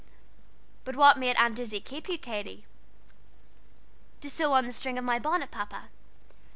"But what made Aunt Izzie keep you, Katy?" "To sew on the string of my bonnet, Papa."